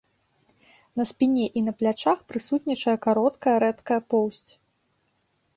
На спіне і на плячах прысутнічае кароткая рэдкая поўсць.